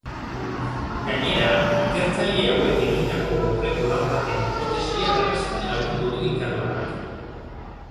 Gainera, ikertzaile hauek egindako aurreko lan baten hipotesia berresten lagundu du ikerlanak.